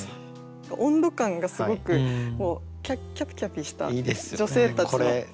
温度感がすごくキャピキャピした女性たちの。